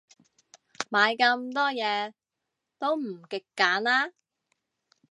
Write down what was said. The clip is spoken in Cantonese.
買咁多嘢，都唔極簡啦